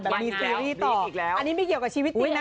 แบบมีซีรีส์ต่ออันนี้ไม่เกี่ยวกับชีวิตนี้นะ